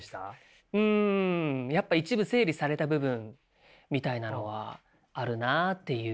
うんやっぱ一部整理された部分みたいなのはあるなっていう。